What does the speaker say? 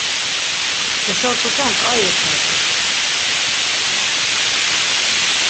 Eşo rt̆uǩon k̆ai iqve rt̆u.